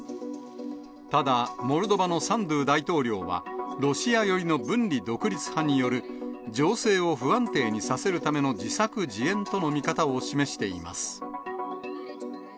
ただ、モルドバのサンドゥ大統領は、ロシア寄りの分離独立派による、情勢を不安定にさせるための自作自演との見方を示しています。